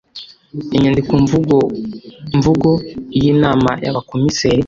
inyandikomvugomvugo y’inama y’abakomiseri